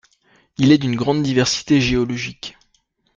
Il est d'une grande diversité géologique.